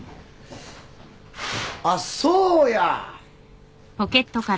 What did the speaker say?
あっそうや。